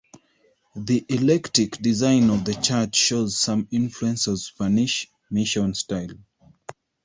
The eclectic design of the Church shows some influence of Spanish Mission style.